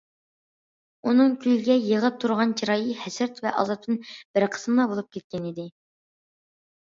ئۇنىڭ كۈلگە يېغىپ تۇرغان چىرايى ھەسرەت ۋە ئازابتىن بىر قىسمىلا بولۇپ كەتكەنىدى.